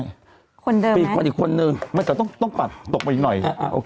อีกคนอีกคนนึงถ้าต้องตอบไปนิดหน่อย